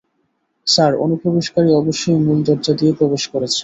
Sir, অনুপ্রবেশকারী অবশ্যই মূল দরজা দিয়ে প্রবেশ করেছে।